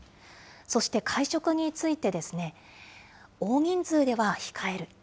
そして会食についてですね、大人数では控える。